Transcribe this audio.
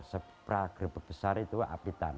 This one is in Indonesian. sepra grebek besar itu apitan